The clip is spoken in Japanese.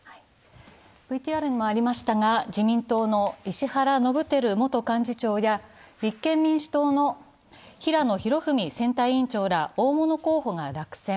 自民党の石原伸晃元幹事長や立憲民主党の平野博文選対委員長ら、大物候補が落選。